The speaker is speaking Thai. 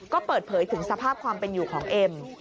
ก็เปิดเผยถึงสภาพความเป็นอยู่ของเอ็ม